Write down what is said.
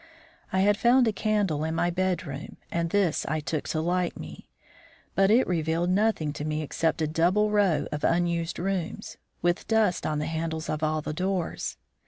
I had found a candle in my bedroom, and this I took to light me. But it revealed nothing to me except a double row of unused rooms, with dust on the handles of all the doors.